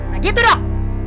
nah gitu dong